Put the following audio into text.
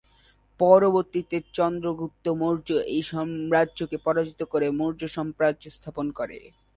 পরবর্তীতে চন্দ্রগুপ্ত মৌর্য্য এই সাম্রাজ্যকে পরাজিত করে মৌর্য্য সাম্রাজ্য স্থাপন করে।